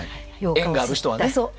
縁がある人はねうん。